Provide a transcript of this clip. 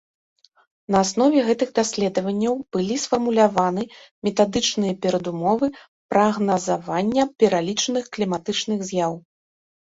На аснове гэтых даследаванняў былі сфармуляваны метадычныя перадумовы прагназавання пералічаных кліматычных з'яў.